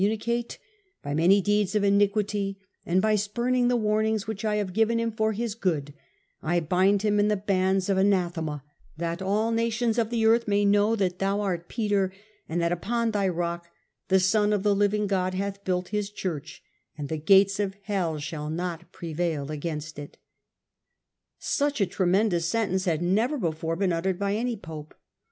under the Ban iig municate, by many deeds of iniquity, and by spuming the warnings whicli I have given him for his good, I bind him in the bands of anathema ; that all nations of the earth may know that thou art Peter, and that upon thy rock the Son of the living God hath built His Church, and the gates of hell shall not prevail against it/ Such a tremendous sentence had never before been uttered by any pope.